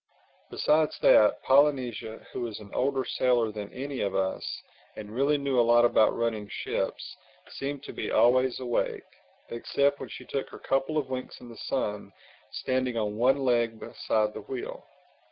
Besides that, Polynesia, who was an older sailor than any of us, and really knew a lot about running ships, seemed to be always awake—except when she took her couple of winks in the sun, standing on one leg beside the wheel.